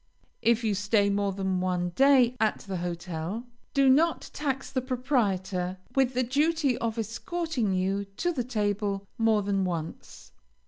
If you stay more than one day at the hotel, do not tax the proprietor with the duty of escorting you to the table more than once.